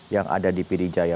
yang ada di pdi jaya